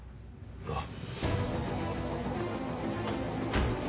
ああ。